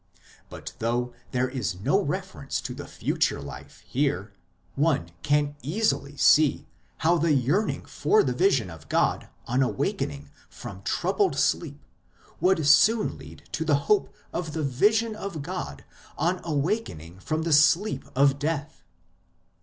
But though there is no reference to the future life here, one can easily see how the yearning for the vision of God on awakening from troubled sleep would soon lead to the hope of the vision of God on awakening from the sleep of death.